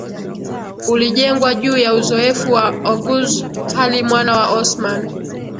ulijengwa juu ya uzoefu wa Oghuz hali Mwana wa Osman